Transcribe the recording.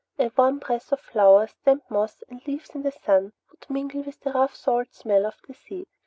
A warm breath of flowers, damp moss, and leaves in the sun would mingle with the rough salt smell of the sea.